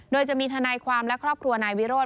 โดยจะมีทนายความและครอบครัวนายวิโรธ